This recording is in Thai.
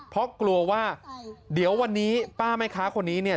เพราะกลัวว่าเดี๋ยววันนี้ป้าแม่ค้าคนนี้เนี่ย